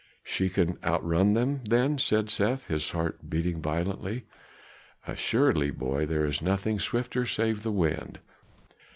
"She can outrun them then?" said Seth, his heart beating violently. "Assuredly, boy, there is nothing swifter save the wind."